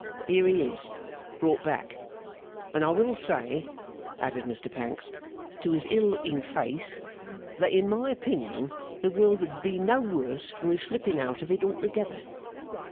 Here he is brought back. And I will say,' added Mr Pancks, 'to his ill looking face, that in my opinion the world would be no worse for his slipping out of it altogether.